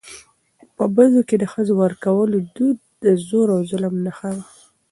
په بدو کي د ښځو ورکولو دود د زور او ظلم نښه وه .